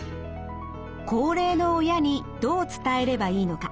高齢の親にどう伝えればいいのか？